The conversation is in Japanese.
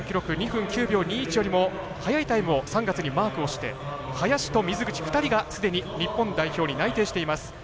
２分９秒２１よりも早いタイムを３月にマークして林と水口２人が、すでに日本代表に内定しています。